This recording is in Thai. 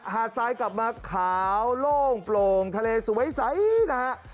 ทรายกลับมาขาวโล่งโปร่งทะเลสวยใสนะฮะ